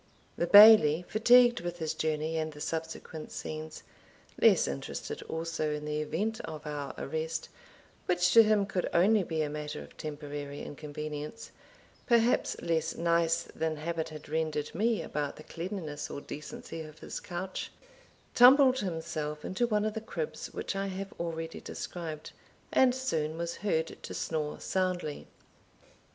The Bailie, fatigued with his journey and the subsequent scenes less interested also in the event of our arrest, which to him could only be a matter of temporary inconvenience perhaps less nice than habit had rendered me about the cleanliness or decency of his couch, tumbled himself into one of the cribs which I have already described, and soon was heard to snore soundly.